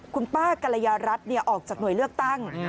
คุณป้ากรยารัฐออกจากหน่วยเลือกตั้ง